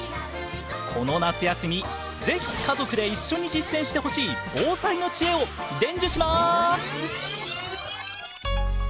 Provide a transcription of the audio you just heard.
この夏休みぜひ家族で一緒に実践してほしい防災の知恵を伝授します！